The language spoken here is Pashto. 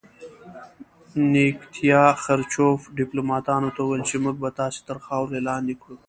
نیکیتیا خروچوف ډیپلوماتانو ته وویل چې موږ به تاسې تر خاورو لاندې کړو